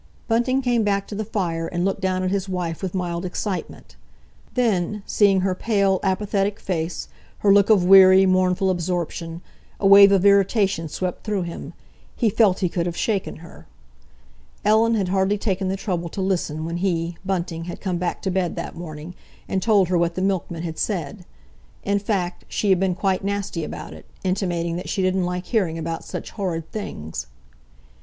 Bunting came back to the fire and looked down at his wife with mild excitement. Then, seeing her pale, apathetic face, her look of weary, mournful absorption, a wave of irritation swept through him. He felt he could have shaken her! Ellen had hardly taken the trouble to listen when he, Bunting, had come back to bed that morning, and told her what the milkman had said. In fact, she had been quite nasty about it, intimating that she didn't like hearing about such horrid things.